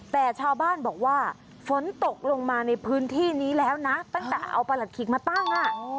แต่ชาวบ้านบอกว่าฝนตกลงมาในพื้นที่นี้แล้วนะตั้งแต่เอาประหลัดขิกมาตั้ง